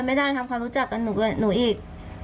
เออถ้าที่เดินไม่ได้เข้ารู้จักกันหนึ่งเลยหนูอีก